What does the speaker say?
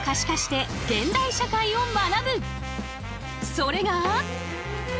それが。